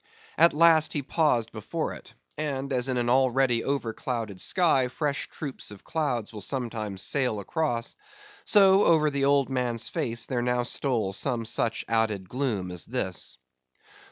At last he paused before it; and as in an already over clouded sky fresh troops of clouds will sometimes sail across, so over the old man's face there now stole some such added gloom as this.